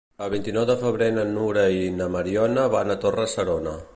El vint-i-nou de febrer na Nura i na Mariona van a Torre-serona.